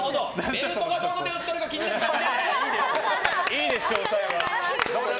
ベルトがどこで売ってるか気になるそうです！